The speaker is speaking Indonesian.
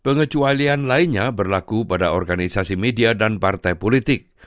pengecualian lainnya berlaku pada organisasi media dan partai politik